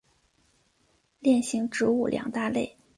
链型植物两大类。